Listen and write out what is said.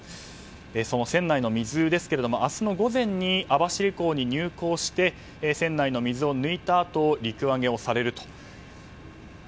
船内の水ですが、明日の午前に網走港に入港して船内の水を抜いたあと陸揚げされるという。